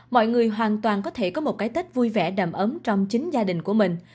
mọi người hoàn toàn có thể có một cái tết vui vẻ đầm ấm trong chính gia đình của mình